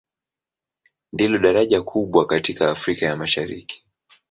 Ndilo daraja kubwa katika Afrika ya Mashariki.